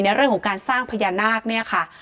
เรื่องของการสร้างพญานาคเนี่ยค่ะ